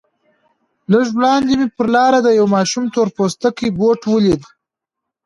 لږ وړاندې مې پر لاره د يوه ماشوم تور پلاستيكي بوټ وليد.